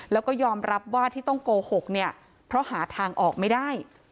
แล้วก็ยอมรับว่าที่ต้องโกหกเนี่ยเพราะหาทางออกไม่ได้